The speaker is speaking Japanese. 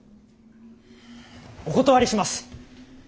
お断りします。